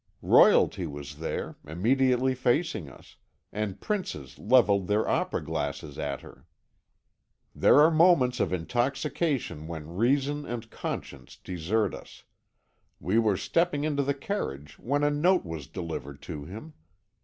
"Royalty was there, immediately facing us, and princes levelled their opera glasses at her. "There are moments of intoxication when reason and conscience desert us. "We were stepping into the carriage when a note was delivered to him.